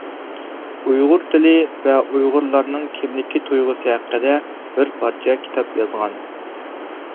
ئۇيغۇر تىلى ۋە ئۇيغۇرلارنىڭ كىملىك تۇيغۇسى ھەققىدە بىر پارچە كىتاب يازغان.